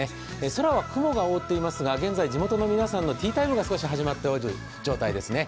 空は雲が覆っていますが現在、地元の皆さんのティータイムが少し始まっておる状態ですね。